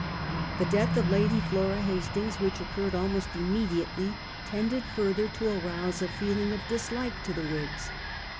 The death of Lady Flora Hastings, which occurred almost immediately, tended further to arouse a feeling of dislike to the Whigs.